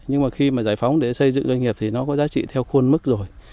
nhưng mà khi mà giải phóng để xây dựng doanh nghiệp thì nó có giá trị theo khuôn mức rồi